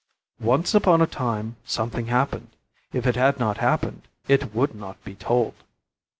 Once upon a time something happened. If it had not happened, it would not be told.